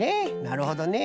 なるほどね。